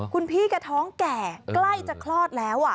คนนี้กะท้องแก่ใกล้จะคลอดแล้ว